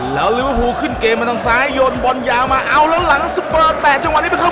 แล้วลืมหูขึ้นเกมไปทางซ้ายโยนบอลยาวมาเอาแล้วหลังสเปอร์แตกจังหวันนี้ไปเข้าบน